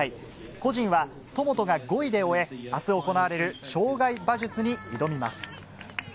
個人は戸本が５位で終え、明日行われる障害馬術に挑みます。